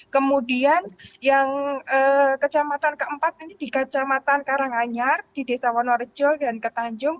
kemudian yang kecamatan keempat ini di kecamatan karanganyar di desa wonorejo dan ketanjung